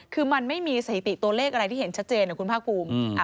คือมันไม่มีสถิติตัวเลขอะไรที่เห็นชัดเจนนะคุณภาคภูมิ